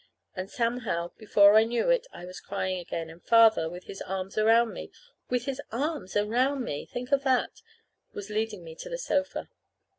And somehow, before I knew it, I was crying again, and Father, with his arm around me with his arm around me! think of that! was leading me to the sofa.